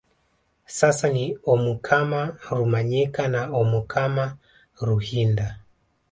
Sasa ni omukama Rumanyika na omukama Ruhinda